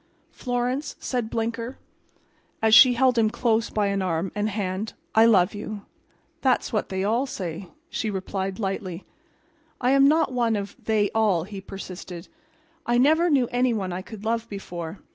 "Florence," said Blinker, as she held him close by an arm and hand, "I love you." "That's what they all say," she replied, lightly. "I am not one of 'they all,'" he persisted. "I never knew any one I could love before.